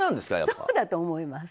そうだと思います。